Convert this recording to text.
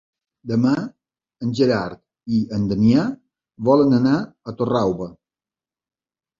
Demà en Gerard i en Damià volen anar a Torralba.